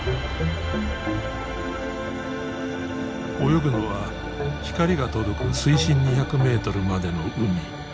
泳ぐのは光が届く水深２００メートルまでの海。